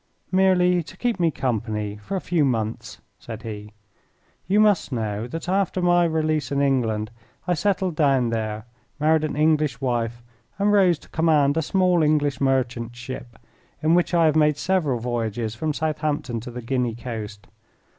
"Merely to keep me company for a few months," said he. "You must know that after my release in England I settled down there, married an English wife, and rose to command a small English merchant ship, in which I have made several voyages from Southampton to the Guinea coast.